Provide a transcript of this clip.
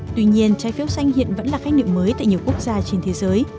tuy nhiên trái phiếu xanh hiện vẫn là khách niệm mới tại nhiều quốc gia trên thế giới